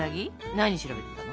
何調べてたの？